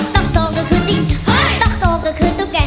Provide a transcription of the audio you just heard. จากกิ้มก็คือจริงจากส่วนตกก็คือตุ๊กแก